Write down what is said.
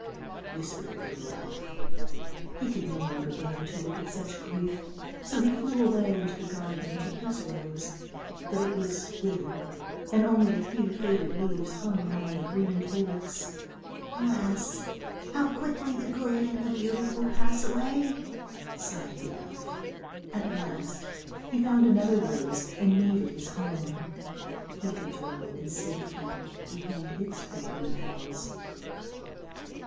" whispered the little elf. He could no longer bear to look at such grief, so he flew away into the garden to his rose, but it was withered, and only a few faded leaves hung round the green calyx. "Alas! how quickly the good and the beautiful pass away! " sighed the elf. At last he found another rose, and made it his home. He could dwell in safety behind its fragrant petals.